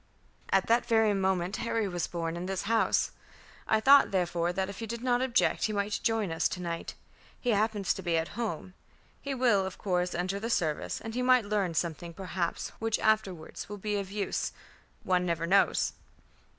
"At that very moment Harry was born in this house. I thought, therefore, that if you did not object, he might join us to night. He happens to be at home. He will, of course, enter the service, and he might learn something, perhaps, which afterward will be of use one never knows."